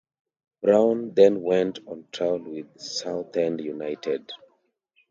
Brown then went on trial with Southend United.